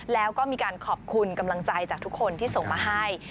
แล้วก็มีการขอบคุณกำลังใจจากทุกคนที่ส่งมาให้